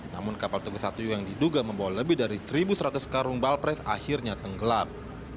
namun kapal tegas satu yang diduga membawa lebih dari satu seratus karung balpres akhirnya tenggelam